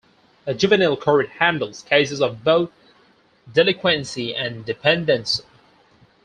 A juvenile court handles cases of both delinquency and dependency.